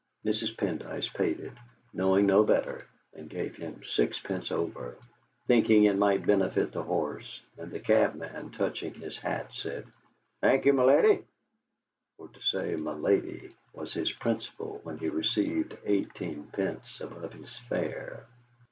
Mrs. Pendyce paid it, knowing no better, and gave him sixpence over, thinking it might benefit the horse; and the cabman, touching his hat, said: "Thank you, my lady," for to say "my lady" was his principle when he received eighteen pence above his fare.